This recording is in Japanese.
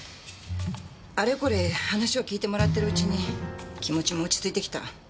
あれこれ話を聞いてもらってるうちに気持ちも落ち着いてきた。